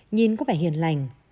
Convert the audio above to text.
nhìn có vẻ hiền lành